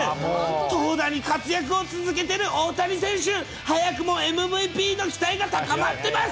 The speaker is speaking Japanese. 投打に活躍を続けてる大谷選手、早くもＭＶＰの期待が高まってます。